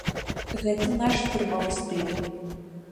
Гэта наш фірмовы стыль.